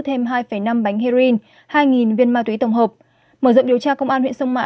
thêm hai năm bánh heroin hai viên ma túy tổng hợp mở rộng điều tra công an huyện sông mã